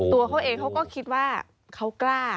ตัวเขาเองเขาก็คิดว่าเขากล้า